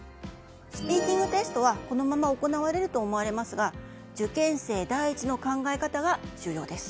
スピーキングテストはこのまま行われると思われますが受験生第一の考え方が重要です。